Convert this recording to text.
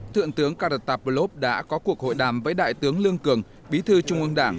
thượng tướng karatablov đã có cuộc hội đàm với đại tướng lương cường bí thư trung ương đảng